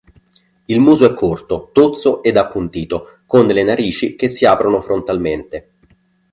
Il muso è corto, tozzo ed appuntito, con le narici che si aprono frontalmente.